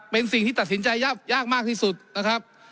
เป็นสิ่งที่ตัดสินใจยากมากที่สุดนะครับ